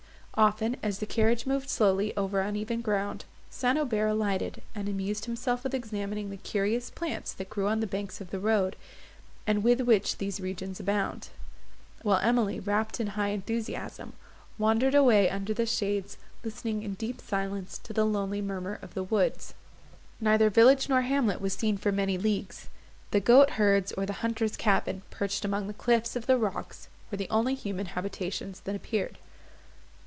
Often, as the carriage moved slowly over uneven ground, St. Aubert alighted, and amused himself with examining the curious plants that grew on the banks of the road, and with which these regions abound; while Emily, wrapt in high enthusiasm, wandered away under the shades, listening in deep silence to the lonely murmur of the woods. Neither village nor hamlet was seen for many leagues; the goat herd's or the hunter's cabin, perched among the cliffs of the rocks, were the only human habitations that appeared.